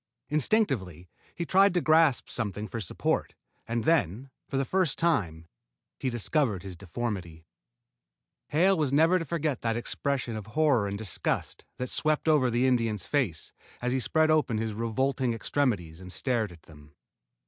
Instinctively he tried to grasp something for support, and then, for the first time, he discovered his deformity. Hale was never to forget that expression of horror and disgust that swept over the Indian's face as he spread open his revolting extremities and stared at them.